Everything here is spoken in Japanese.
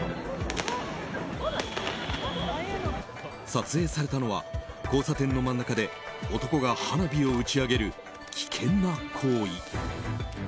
撮影されたのは交差点の真ん中で男が花火を打ち上げる危険な行為。